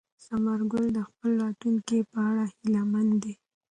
ثمر ګل د خپل راتلونکي په اړه هیله من دی.